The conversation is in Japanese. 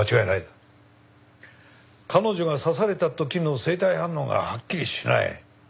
彼女が刺された時の生体反応がはっきりしない。